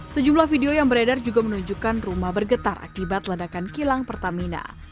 sejumlah video yang beredar juga menunjukkan rumah bergetar akibat ledakan kilang pertamina